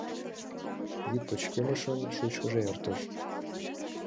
Йӱд пычкемышын шучкыжо эртыш